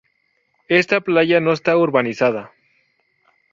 Esta playa no está urbanizada.